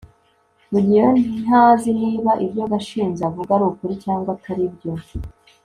rugeyo ntazi niba ibyo gashinzi avuga ari ukuri cyangwa atari byo